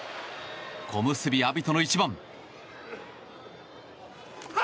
小結、阿炎との一番。